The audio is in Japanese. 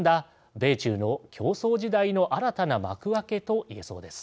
米中の競争時代の新たな幕開けと言えそうです。